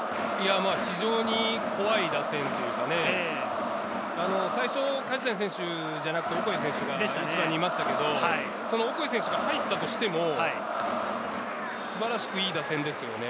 非常に怖い打線というか、最初、梶谷選手ではなくてオコエ選手が１番にいましたが、オコエ選手が入ったとしても、素晴らしくいい打線ですよね。